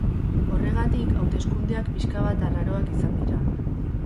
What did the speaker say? Horregatik, hauteskundeak pixka bat arraroak izan dira.